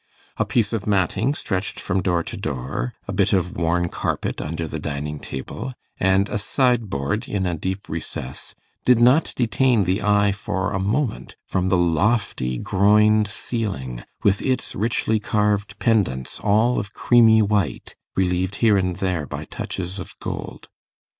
A piece of matting stretched from door to door, a bit of worn carpet under the dining table, and a sideboard in a deep recess, did not detain the eye for a moment from the lofty groined ceiling, with its richly carved pendants, all of creamy white, relieved here and there by touches of gold.